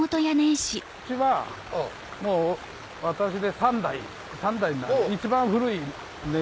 うちはもう私で３代になる。